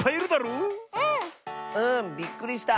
うん。びっくりした！